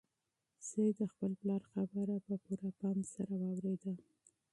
سعید د خپل پلار خبره په پوره پام سره واورېده.